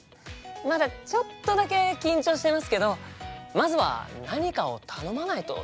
まだちょっとだけ緊張してますけどまずは何かを頼まないとですよね。